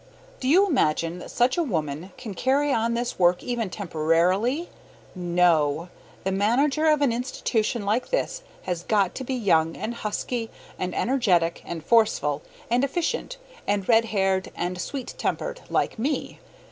Do you imagine that such a woman can carry on this work even temporarily? No! The manager of an institution like this has got to be young and husky and energetic and forceful and efficient and red haired and sweet tempered, like me.